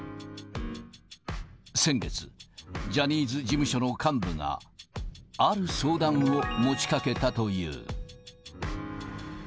先月、ジャニーズ事務所の幹部が、ある相談を持ちかけたという。